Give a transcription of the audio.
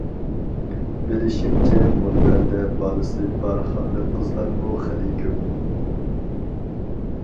بىلىشىمچە مۇنبەردە بالىسى بار خانىم-قىزلارمۇ خېلى كۆپ.